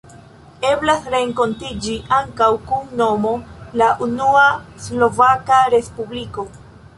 Eblas renkontiĝi ankaŭ kun nomo La unua Slovaka Respubliko.